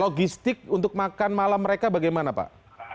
logistik untuk makan malam mereka bagaimana pak